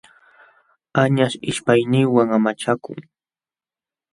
Añaśh ishpayninwan amachakun.